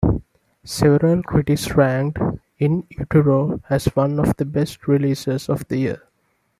Several critics ranked "In Utero" as one of the best releases of the year.